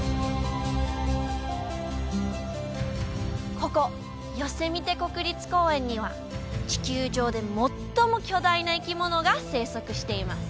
ここヨセミテ国立公園には地球上で最も巨大な生き物が生息しています